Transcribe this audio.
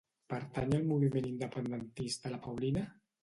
Pertany al moviment independentista la Paulina?